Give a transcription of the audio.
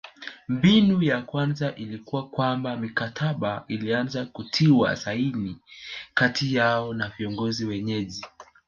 Mbinu ya kwanza ilikuwa kwamba mikataba ilianza kutiwa saini kati yao na viongozi wenyeji